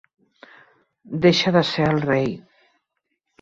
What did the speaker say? Deixa de ser el rei.